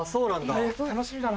楽しみだな。